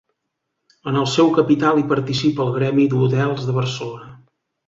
En el seu capital hi participa el Gremi d'Hotels de Barcelona.